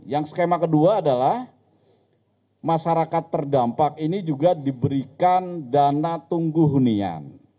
yang skema kedua adalah masyarakat terdampak ini juga diberikan dana tunggu hunian